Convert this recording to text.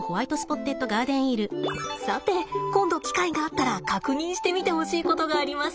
さて今度機会があったら確認してみてほしいことがあります。